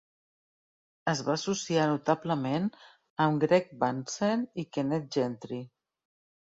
Es va associar notablement amb Greg Bahnsen i Kenneth Gentry.